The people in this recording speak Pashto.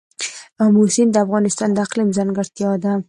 آمو سیند د افغانستان د اقلیم ځانګړتیا ده.